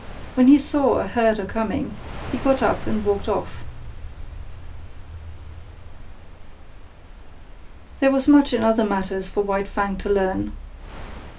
When he saw or heard her coming, he got up and walked off. There was much in other matters for White Fang to learn.